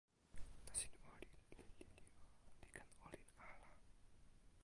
nasin olin li lili a, li ken olin ala.